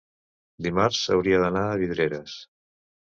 dimarts hauria d'anar a Vidreres.